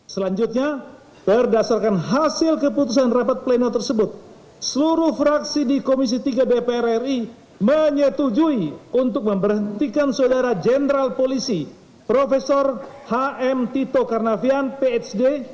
selanjutnya berdasarkan hasil keputusan rapat pleno tersebut seluruh fraksi di komisi tiga dpr ri menyetujui untuk memberhentikan saudara jenderal polisi prof hm tito karnavian phd